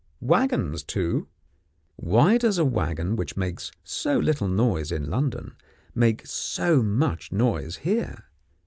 Waggons, too. Why does a waggon which makes so little noise in London, make so much noise here?